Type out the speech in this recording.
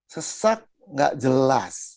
sesak tidak jelas